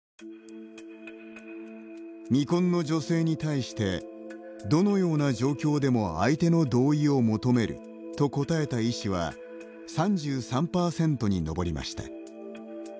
未婚の女性に対して「どのような状況でも相手の同意を求める」と答えた医師は３３％に上りました。